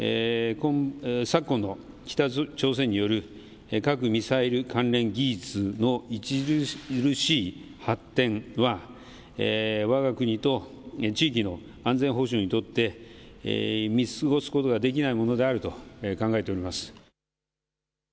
昨今の北朝鮮による核・ミサイル関連技術の著しい発展は、わが国と地域の安全保障にとって、見過ごすことができないものであると考えております。